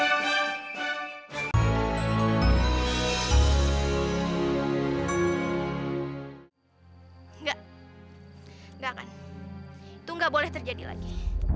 enggak enggak kan itu nggak boleh terjadi lagi